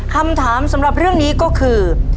คำถามสำหรับเรื่องนี้ก็คือ